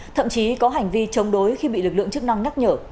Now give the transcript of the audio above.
thậm chí có hành vi chống đối khi bị lực lượng chức năng nhắc nhở